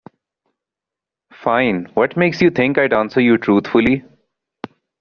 Fine, what makes you think I'd answer you truthfully?